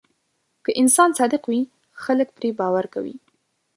که انسان صادق وي، خلک پرې باور کوي.